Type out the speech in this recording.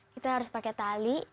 kita harus pakai tali